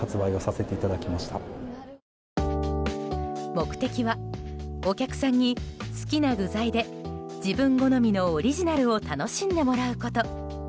目的はお客さんに好きな具材で自分好みのオリジナルを楽しんでもらうこと。